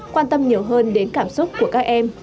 quan tâm nhiều hơn đến cảm xúc của các em